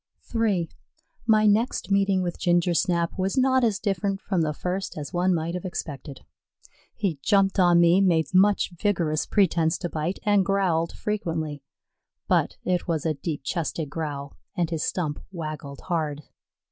III My next meeting with Gingersnap was not as different from the first as one might have expected. He jumped on me, made much vigorous pretense to bite, and growled frequently, but it was a deep chested growl and his stump waggled hard.